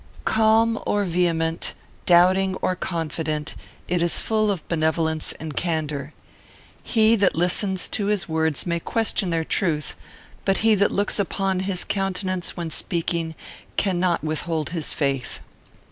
Calm or vehement, doubting or confident, it is full of benevolence and candour. He that listens to his words may question their truth, but he that looks upon his countenance when speaking cannot withhold his faith.